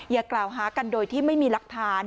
อย่ากล่าวหากันโดยที่ไม่มีหลักฐาน